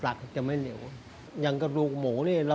กล่าวค้านถึงกุ้ยเตี๋ยวลุกชิ้นหมูฝีมือลุงส่งมาจนถึงทุกวันนี้นั่นเองค่ะ